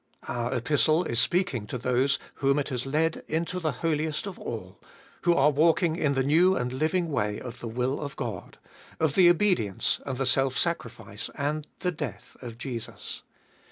Our Epistle is speaking to those whom it has led into the Holiest of All, who are walking in the new and living way of the will of God, of the obedience and the self sacrifice and the death of Jesus.